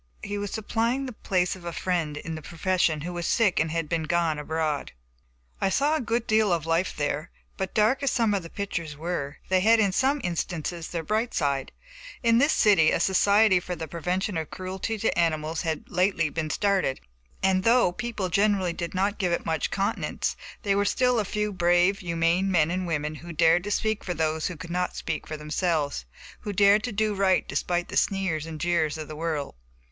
He was supplying the place of a friend in the profession, who was sick and had gone abroad. I saw a good deal of life there, but dark as some of the pictures were, they had in some instances their bright side. In this city a society for the prevention of cruelty to animals, had lately been started, and, though people generally did not give it much countenance, there were still a few brave, humane men and women who dared to speak for those who could not speak for themselves; who dared to do right despite the sneers and jeers of the world.